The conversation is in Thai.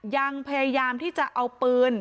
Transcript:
ยังพยายามที่จะเอาปืน